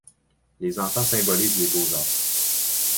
Les enfants symbolisent les beaux-arts.